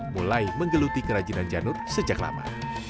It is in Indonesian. mulai menggeluti kerajinan janur sejak lama